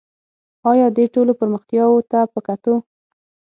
آیا دې ټولو پرمختیاوو ته په کتو